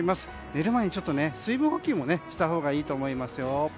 寝る前に水分補給もしたほうがいいと思いますよ。